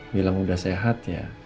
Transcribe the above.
bilang udah sehat ya